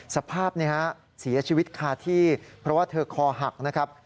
สภาพเสียชีวิตคาที่เพราะว่าเธอคอหักนะครับ